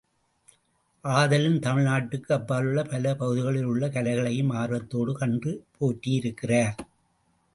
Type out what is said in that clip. ஆதலின் தமிழ்நாட்டுக்கு அப்பாலுள்ள பல பகுதிகளில் உள்ள கலைகளையும், ஆர்வத்தோடு கண்டு போற்றியிருக்கிறார்.